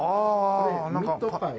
これミートパイ。